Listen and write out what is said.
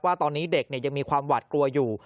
ว่าตอนนี้เด็กยังมีความหวาดกลัวอยู่